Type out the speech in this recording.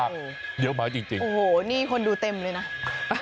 นี่คนดูเต็มเลยนะ